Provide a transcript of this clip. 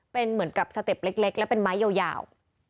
เป็นเหมือนกับสเต็ปเล็กและเป็นไม้ยาว